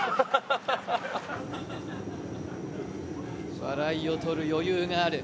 笑いを取る余裕がある。